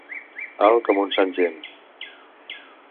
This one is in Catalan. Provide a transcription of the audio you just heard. Alt com un sant Gem.